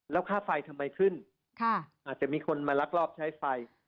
แล้วค่าไฟทำไมขึ้นอาจจะมีคนมาลักลอบใช้ไฟ